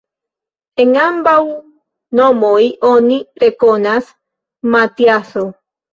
En ambaŭ nomoj oni rekonas: Matiaso.